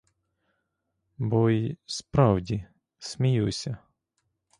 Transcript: Бо й, справді, сміюся!